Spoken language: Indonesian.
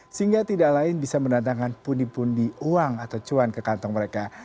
sehingga tidak lain bisa mendatangkan pundi pundi uang atau cuan ke kantong mereka